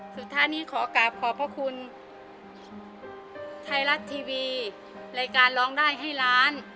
สุดท้ายนี้ขอกราบขอบพระคุณไทยรัฐทีวีรายการร้องได้ให้ล้าน